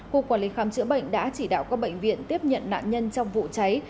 cục quản lý khám chữa bệnh đã chỉ đạo các bệnh viện tiếp nhận nạn nhân trong vụ cháy